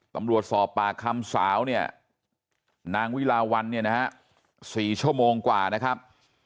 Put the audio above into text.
ตำรวจสอบปากคำสาวเนี่ยนางวิลาวันเนี่ยนะฮะ๔ชั่วโมงกว่านะครับ